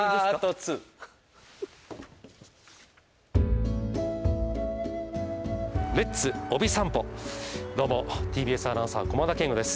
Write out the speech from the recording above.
２どうもＴＢＳアナウンサー駒田健吾です